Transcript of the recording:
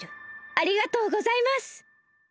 ありがとうございます！